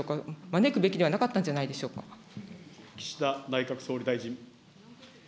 招くべきではなかったんでしょう岸田内閣総理大臣。